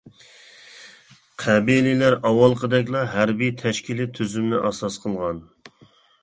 قەبىلىلەر ئاۋۋالقىدەكلا ھەربىي تەشكىلى تۇزۇمنى ئاساس قىلغان.